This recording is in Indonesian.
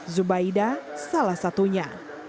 zubaida salah satunya